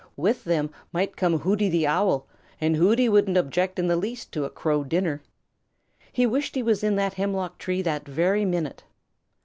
With them might come Hooty the Owl, and Hooty wouldn't object in the least to a Crow dinner. He wished he was in that hemlock tree that very minute.